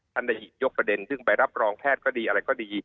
ท่านได้หยิบยกประเด็นซึ่งไปรับรองแพทย์ก็ดีอะไรก็ดี